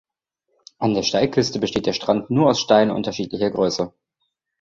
An der Steilküste besteht der Strand nur aus Steinen unterschiedlicher größe.